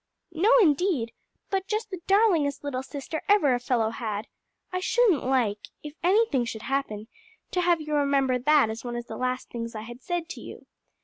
"No, indeed! but just the darlingest little sister ever a fellow had. I shouldn't like if anything should happen to have you remember that as one of the last things I had said to you.